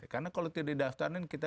karena kalau tidak di daftarin kita